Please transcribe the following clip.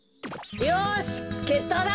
よしけっとうだ。